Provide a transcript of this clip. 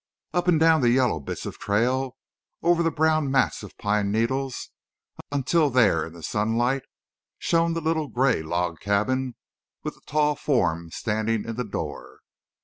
Up and down the yellow bits of trail—on over the brown mats of pine needles—until there in the sunlight shone the little gray log cabin with a tall form standing in the door.